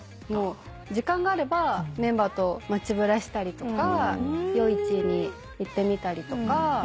時間があればメンバーと街ぶらしたりとか夜市に行ってみたりとか。